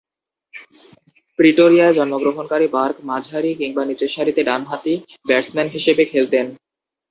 প্রিটোরিয়ায় জন্মগ্রহণকারী বার্ক মাঝারি কিংবা নিচের সারিতে ডানহাতি ব্যাটসম্যান হিসেবে খেলতেন।